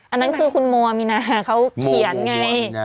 อันนั้นคือคุณโมมีนาเขาเขียนไง